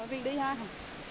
rồi mình đi thôi